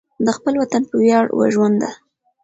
د خپل وطن په ویاړ وژونده.